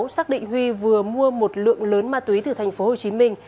xác định huy vừa mua một lượng lớn ma túy từ thành phố hồ chí minh